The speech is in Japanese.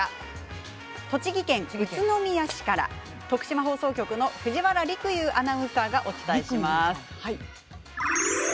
栃木県宇都宮市から徳島放送局の藤原陸遊アナウンサーがお伝えします。